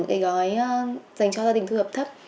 một cái gói dành cho gia đình thu nhập thấp